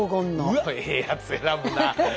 うわっええやつ選ぶな。